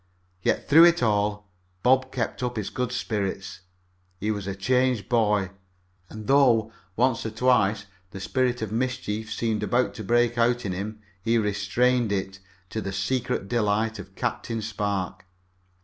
Yet through it all Bob kept up his good spirits. He was a changed boy, and though, once or twice, the spirit of mischief seemed about to break out in him, he restrained it, to the secret delight of Captain Spark.